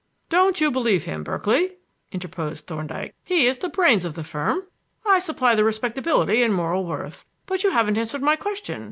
"Don't you believe him, Berkeley," interposed Thorndyke. "He is the brains of the firm. I supply the respectability and moral worth. But you haven't answered my question.